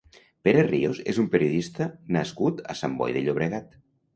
Pere Ríos és un periodista nascut a Sant Boi de Llobregat.